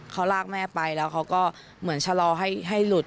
เขาลากแม่ไปแล้วเขาก็เหมือนชะลอให้หลุด